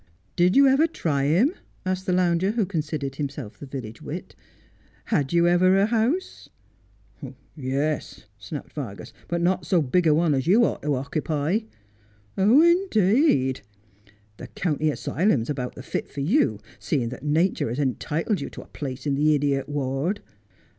' Did you ever try him 1 ' asked the lounger, who considered himself the village wit. ' Had you ever a house 1 '' Yes,' snapped Vargas, ' but not so big a one as you ought to okipy.' 'Indeed!' ' The county asylum's about the fit for you, seeing that natur has entitled you to a place in the idiot ward.'